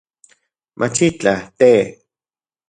Machitlaj, te